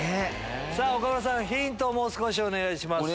岡村さんヒントをもう少しお願いします。